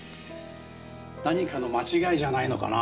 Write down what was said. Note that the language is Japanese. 何かの間違いじゃないのかな。